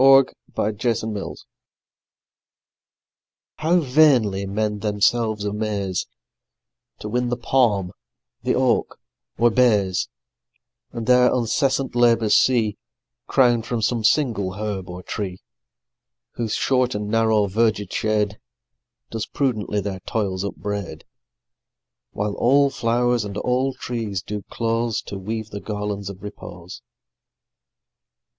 Andrew Marvell The Garden HOW vainly men themselves amaze To win the palm, the oak, or bays, And their uncessant labours see Crown'd from some single herb or tree, Whose short and narrow verged shade Does prudently their toils upbraid; While all flow'rs and all trees do close To weave the garlands of repose.